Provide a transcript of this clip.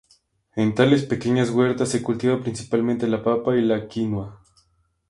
En tales pequeñas huertas se cultiva principalmente la papa y la quinua.